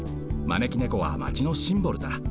まねきねこはマチのシンボルだ。